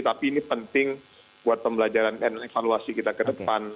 tapi ini penting buat pembelajaran dan evaluasi kita ke depan